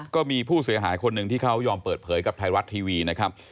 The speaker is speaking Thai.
ก็มีผู้เสียหายคนหนึ่งที่เขายอมเปิดเผยกับไทยรัฐทีวีนะครับ